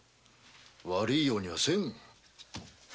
悪いようにはせん。